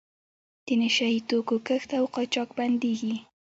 د نشه یي توکو کښت او قاچاق بندیږي.